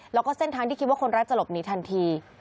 แล้วก็เส้นทางที่คิดว่าคนร้ายจะหลบหนีทันที